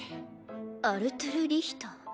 アルトゥル・リヒター。